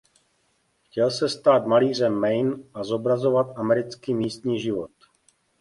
Chtěl se stát „malířem Maine“ a zobrazovat americký místní život.